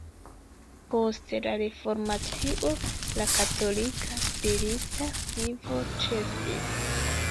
Post la Reformacio la katolika spirita vivo ĉesis.